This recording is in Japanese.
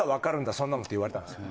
そんなの」って言われたんですよ